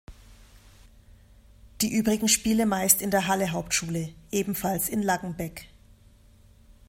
Die übrigen Spiele meist in der Halle-Hauptschule, ebenfalls in Laggenbeck.